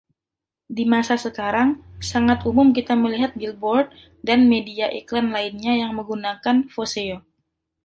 Di masa sekarang, sangat umum kita melihat billboard dan media iklan lainnya yang menggunakan "voseo".